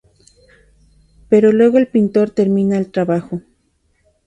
Pero luego el pintor termina el trabajo.